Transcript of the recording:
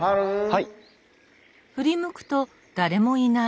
はい！